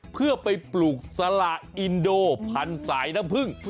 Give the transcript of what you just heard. เพื่อไปปลูกสละอินโดพันธุ์สายน้ำผึ้ง